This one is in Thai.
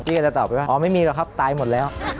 พี่ก็ตอบว่าหอไม่มีเหรอครับตายหมดแล้ว